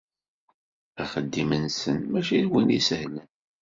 Axeddim-nsen mačči d win isehlen